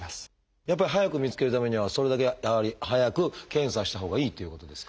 やっぱり早く見つけるためにはそれだけやはり早く検査したほうがいいっていうことですか？